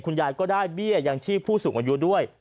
คุณยายก็ได้เบี้ยยังชีพผู้สูงอายุด้วย